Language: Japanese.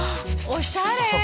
おしゃれ。